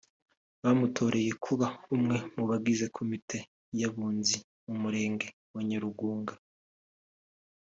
bamutoreye kuba umwe mu bagize komite y’Abunzi mu Murenge wa Nyarugunga